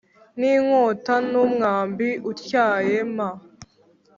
n inkota n umwambi utyaye m